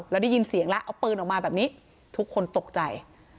แล้วได้ยินเสียงแล้วเอาปืนออกมาแบบนี้ทุกคนตกใจ